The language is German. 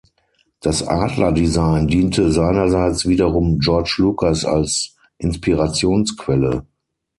Das Adler-Design diente seinerseits wiederum George Lucas als Inspirationsquelle.